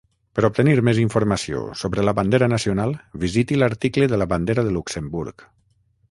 Per obtenir més informació sobre la bandera nacional, visiti l'article de la bandera de Luxemburg.